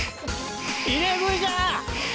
入れ食いじゃ！